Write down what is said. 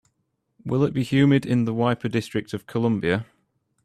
Will it be humid in Weippe District Of Columbia?